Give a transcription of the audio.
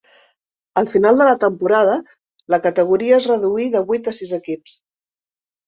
Al final de la temporada la categoria es reduí de vuit a sis equips.